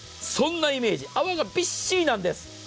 そんなイメージ、泡がびっしりなんです。